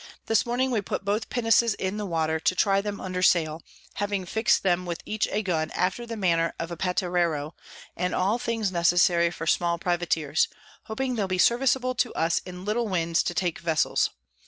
This Morning we put both Pinnaces in the Water, to try them under Sail, having fix'd them with each a Gun after the manner of a Patterero, and all things necessary for small Privateers; hoping they'l be serviceable to us in little Winds to take Vessels.